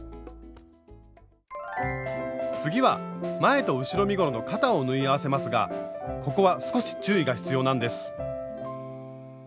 次は前と後ろ身ごろの肩を縫い合わせますがここは少し注意が必要なんです。